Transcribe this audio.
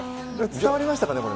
伝わりましたかね。